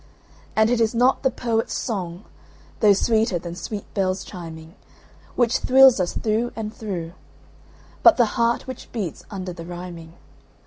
And it is not the poet's song, though sweeter than sweet bells chiming, Which thrills us through and through, but the heart which beats under the rhyming.